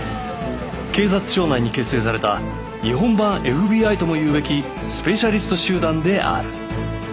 警察庁内に結成された日本版 ＦＢＩ とも言うべきスペシャリスト集団である